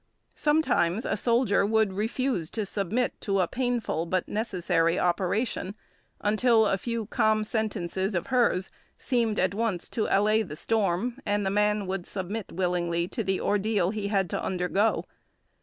Sometimes a soldier would refuse to submit to a painful but necessary operation until a few calm sentences of hers seemed at once to allay the storm, and the man would submit willingly to the ordeal he had to undergo.